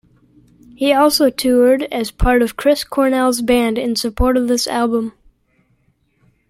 He also toured as part of Chris Cornell's band in support of this album.